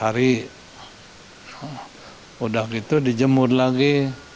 jadi udah gitu dijemur lagi